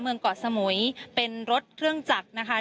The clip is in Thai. เกาะสมุยเป็นรถเครื่องจักรนะคะ